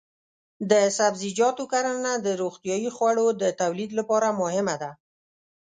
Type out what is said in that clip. د سبزیجاتو کرنه د روغتیايي خوړو د تولید لپاره مهمه ده.